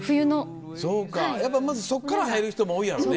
そうかやっぱまずそこから入る人も多いやろね。